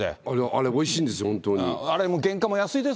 あれ、おいしいんですよ、本当に。